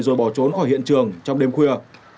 rồi bỏ trốn khỏi hiện trường trong đêm khuya